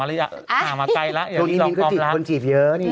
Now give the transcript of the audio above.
ยาวลิสองปั๊งละพรุ่งนี้มีคนจีบ